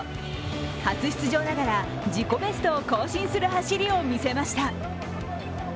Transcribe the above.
初出場ながら自己ベストを更新する走りを見せました。